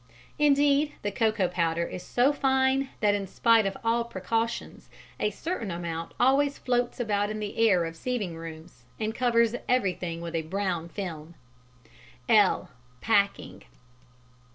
Indeed, the cocoa powder is so fine that in spite of all precautions a certain amount always floats about in the air of sieving rooms, and covers everything with a brown film. (l) _Packing.